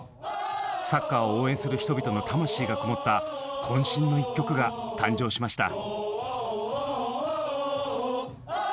サッカーを応援する人々の魂がこもった渾身の１曲が誕生しました。